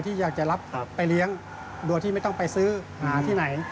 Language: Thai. อยากจะรับไปเลี้ยงโดยที่ไม่ต้องไปซื้อหาที่ไหน